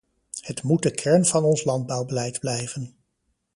Het moet de kern van ons landbouwbeleid blijven.